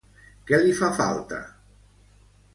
Què li fa falta?